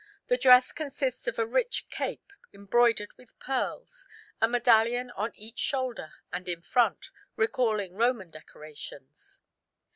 the dress consists of a rich cape embroidered with pearls, a medallion on each shoulder and in front, recalling Roman decorations.